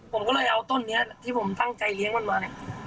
ผมก็เลยเอาต้นนี้ที่ผมตั้งใจเลี้ยงมันมาเนี่ย